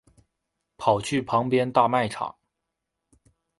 跑去旁边大卖场